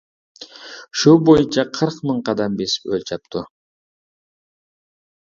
شۇ بويىچە قىرىق مىڭ قەدەم بېسىپ ئۆلچەپتۇ.